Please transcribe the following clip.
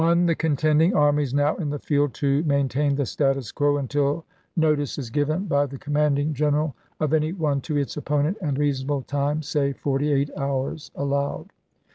The contending armies now in the field to maintain the status quo until notice is given by the JOHNSTON'S SURRENDER 247 commanding general of any one to its opponent, chap. xn. and reasonable time, — say, forty eight hours — allowed.